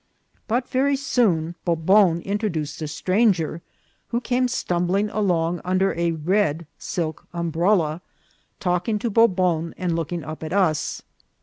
But very soon Bobon introduced a stranger, who came stumbling along under a red silk umbrella, talking to Bobon and looking up at us.